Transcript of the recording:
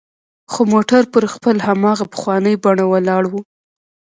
خو موټر پر خپل هماغه پخواني بڼه ولاړ و.